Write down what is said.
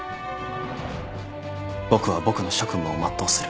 僕は僕の職務を全うする。